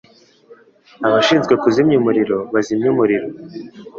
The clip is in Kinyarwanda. Abashinzwe kuzimya umuriro bazimye umuriro.